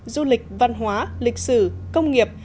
du lịch văn hóa lịch sử công nghiệp